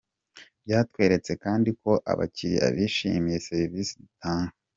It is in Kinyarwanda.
Byatweretse kandi ko abakiriya bishimiye serivisi dutanga.